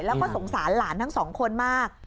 แล้วก็สงสารหลานทั้งสองคนมาก